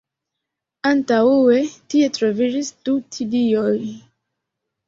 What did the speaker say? Antaŭe tie troviĝis du tilioj.